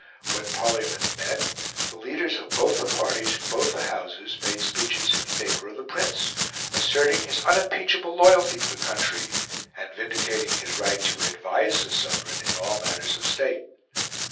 When Parliament met, the leaders of both the parties in both the Houses made speeches in favour of the Prince, asserting his unimpeachable loyalty to the country and vindicating his right to advise the Sovereign in all matters of State.